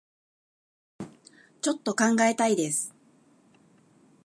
ちょっと考えたいです